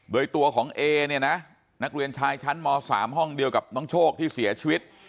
โดยตัวของเอเนี่ยนะนักเรียนชายชั้นม๓ห้องเดียวกับน้องโชคที่เสียชีวิต